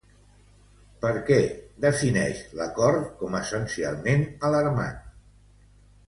Per què defineix l'acord com essencialment alarmant?